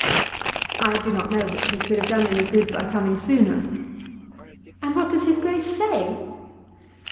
"I do not know that he could have done any good by coming sooner." "And what does his Grace say?"